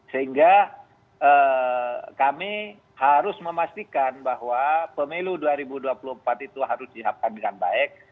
sehingga kami harus memastikan bahwa pemilu dua ribu dua puluh empat itu harus dihapkan dengan baik